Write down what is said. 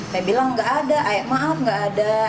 saya bilang gak ada maaf gak ada